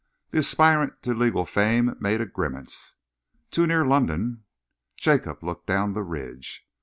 The aspirant to legal fame made a grimace. "Too near London." Jacob looked down the ridge.